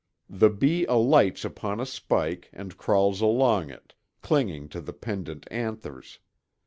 The bee alights upon a spike and crawls along it, clinging to the pendent anthers.